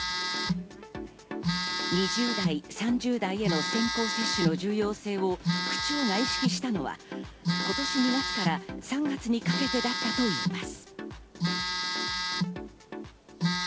２０代、３０代への先行接種の重要性を区長が意識したのは今年２月から３月にかけてだったといいます。